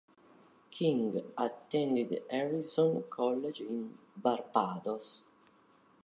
King attended Harrison College in Barbados.